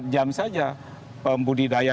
empat jam saja pembudidaya